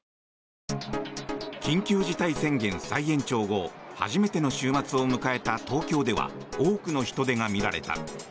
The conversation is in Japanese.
緊急事態宣言再延長後初めての週末を迎えた東京では多くの人出が見られた。